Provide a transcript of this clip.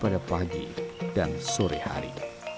pada pagi dan sore hari